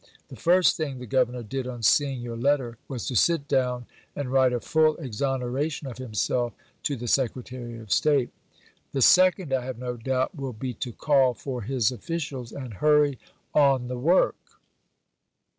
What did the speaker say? The first thing the Governor did on seeing your letter was to sit down and write a full exoneration of himself to the Secretary of State. The second, I have no doubt, will be to call for his officials and hurry on the work."